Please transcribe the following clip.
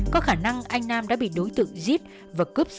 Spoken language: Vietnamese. có khả năng anh nam đã bị đối tượng giết và cướp giật